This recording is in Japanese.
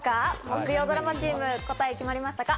木曜ドラマチーム、答えは決まりましたか？